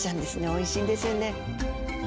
おいしいんですよね。